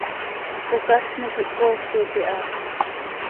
Cocazni quih coosit iha.